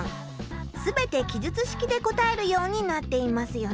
全て記述式で答えるようになっていますよね。